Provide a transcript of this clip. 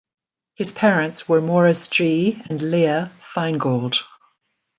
His parents were Maurice G. and Leah Feingold.